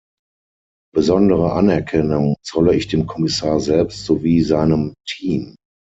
Besondere Anerkennung zolle ich dem Kommissar selbst sowie seinem Team.